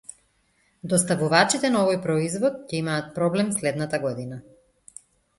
Доставувачите на овој производ ќе имаат проблем следната година.